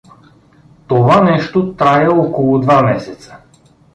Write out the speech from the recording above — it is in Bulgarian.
Това нещо трая около два месеца.